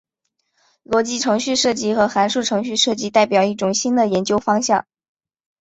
逻辑程序设计和函数程序设计代表一种新的研究方向。